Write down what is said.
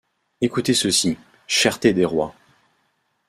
Écoutez ceci: Cherté des rois.